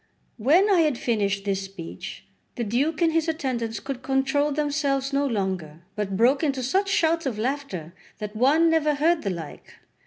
When I had finished this speech, the Duke and his attendants could control themselves no longer, but broke into such shouts of laughter that one never heard the like.